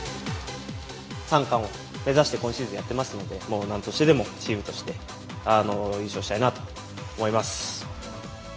３冠を目指して、今シーズンやってますので、なんとしてでも優勝したいなと思います。